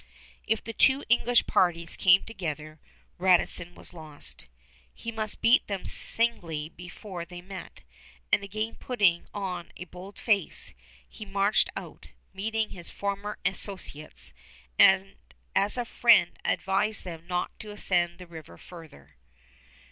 If the two English parties came together, Radisson was lost. He must beat them singly before they met; and again putting on a bold face, he marched out, met his former associates, and as a friend advised them not to ascend the river farther.